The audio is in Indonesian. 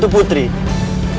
ella mau menurutku